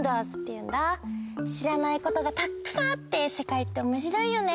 しらないことがたっくさんあってせかいっておもしろいよね。